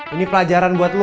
ini pelajaran buat lu